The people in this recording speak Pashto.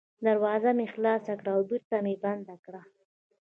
دروازه مې خلاصه کړه او بېرته مې بنده کړه.